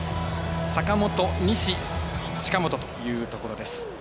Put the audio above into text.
坂本、西、近本というところです。